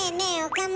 岡村。